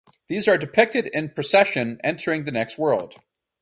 These are depicted in procession entering the next world.